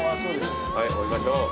はい降りましょう。